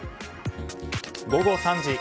午後３時。